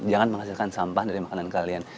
jangan menghasilkan sampah dari makanan kalian